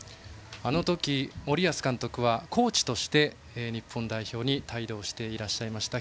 あの時、森保監督はコーチとして日本代表に帯同していらっしゃいました。